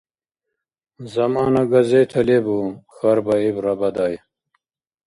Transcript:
— «Замана» газета лебу? — хьарбаиб Рабадай.